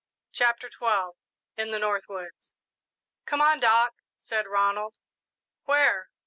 CHAPTER XII IN THE NORTH WOODS "Come on, Doc," said Ronald. "Where?"